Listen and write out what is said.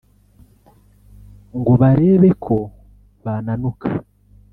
ngo barebe ko bananuka